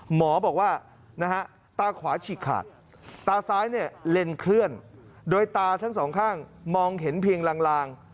หมอบอกว่านะฮะตาขวาฉีกขาดตาซ้ายเนี่ยเลนเคลื่อนโดยตาทั้งสองข้างมองเห็นเพียงลาง